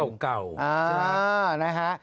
อันนี้มุกต่อเก่า